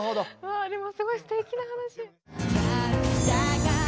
わぁでもすごいすてきな話。